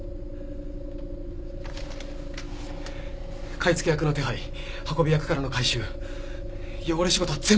買い付け役の手配運び役からの回収汚れ仕事は全部俺がやる。